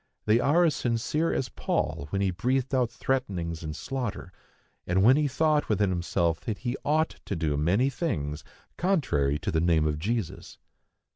They are as sincere as Paul when he breathed out threatenings and slaughter, and when he thought within himself that he ought to do many things contrary to the name of Jesus.